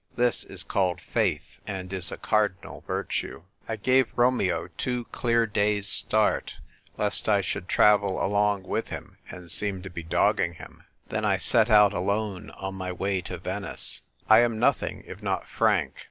This is called faith, and is a car dinal virtue. I gave Romeo two clear days* start, lest I should travel along with him and seem to be dogging him ; then I set out alone on my way to Venice. I am nothing, if not frank.